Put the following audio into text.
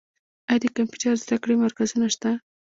آیا د کمپیوټر زده کړې مرکزونه شته؟